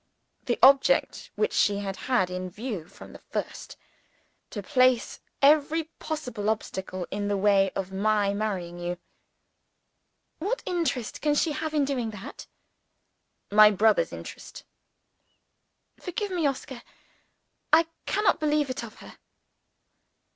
"The object which she has had in view from the first to place every possible obstacle in the way of my marrying you." "What interest can she have in doing that?" "My brother's interest." "Forgive me, Oscar. I cannot believe it of her."